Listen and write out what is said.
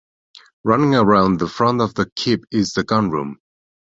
Running around the front of the keep is the gun room.